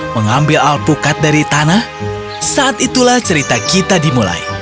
mengambil alpukat dari tanah saat itulah cerita kita dimulai